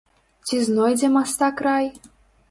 Ці знойдзе мастак рай?